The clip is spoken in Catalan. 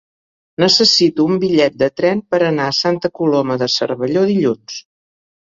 Necessito un bitllet de tren per anar a Santa Coloma de Cervelló dilluns.